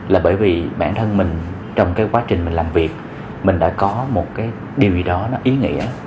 là bởi vì bản thân mình trong cái quá trình mình làm việc mình đã có một cái điều gì đó nó ý nghĩa